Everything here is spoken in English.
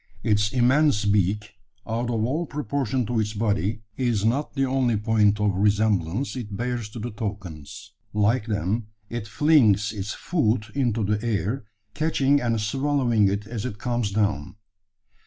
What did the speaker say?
Its immense beak out of all proportion to its body is not the only point of resemblance it bears to the toucans. Like them, it flings its food into the air, catching and swallowing it as it comes down.